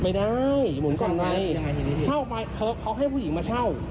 ไม่ได้หมุนก่อนไงเขาให้ผู้หญิงมาเช่า